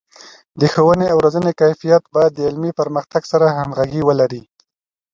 د ښوونې او روزنې کیفیت باید د علمي پرمختګ سره همغږي ولري.